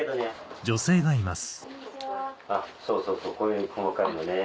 そうそうそうこういう細かいのね。